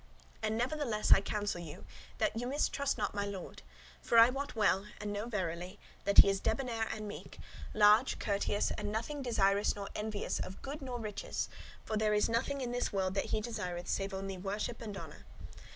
And nevertheless, I counsel you that ye mistrust not my lord: for I wot well and know verily, that he is debonair and meek, large, courteous and nothing desirous nor envious of good nor riches: for there is nothing in this world that he desireth save only worship and honour.